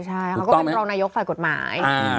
ใช่เขาก็เป็นรองนายกฝ่ายกฎหมาย